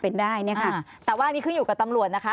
เป็นได้เนี่ยค่ะแต่ว่าอันนี้ขึ้นอยู่กับตำรวจนะคะ